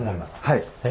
はい。